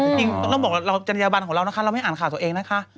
จริงต้องบอกว่าเราจัญญาบันของเรานะคะเราไม่อ่านข่าวตัวเองนะคะ